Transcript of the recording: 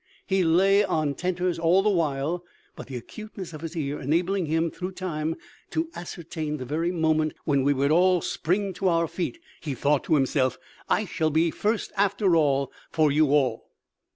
He lay on tenters all the while, but the acuteness of his ear enabling him, through time, to ascertain the very moment when we would all spring to our feet, he thought to himself, 'I shall be first after her, for you all.'